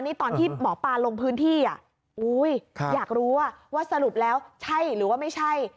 นี่ตอนที่หมอปลาลงพื้นที่อยากรู้ว่าสรุปแล้วใช่หรือว่าไม่ใช่